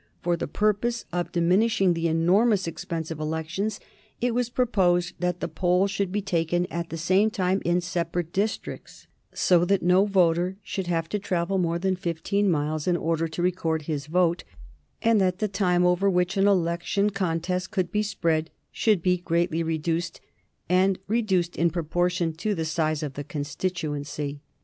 For the purpose of diminishing the enormous expense of elections it was proposed that the poll should be taken at the same time in separate districts, so that no voter should have to travel more than fifteen miles in order to record his vote, and that the time over which an election contest could be spread should be greatly reduced, and reduced in proportion to the size of the constituency.